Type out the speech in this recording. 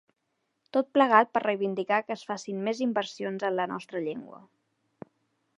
Tot plegat per reivindicar que es facin més inversions en la nostra llengua.